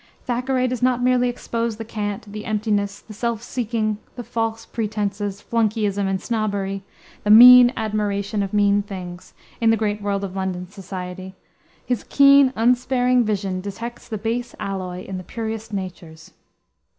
Thackeray does not merely expose the cant, the emptiness, the self seeking, the false pretenses, flunkeyism, and snobbery the "mean admiration of mean things" in the great world of London society: his keen, unsparing vision detects the base alloy in the purest natures.